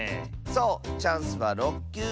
そうチャンスは６きゅう！